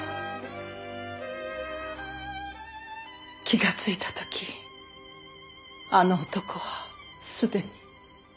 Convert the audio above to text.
気がついた時あの男は既に。